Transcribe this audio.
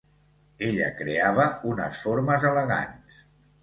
Ella creava unes formes elegants.